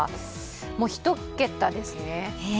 もう１桁ですね。